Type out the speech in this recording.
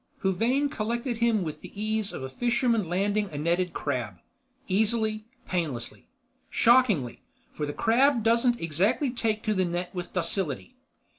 Huvane collected him with the ease of a fisherman landing a netted crab. Easily, painlessly. Shockingly, for the crab doesn't exactly take to the net with docility.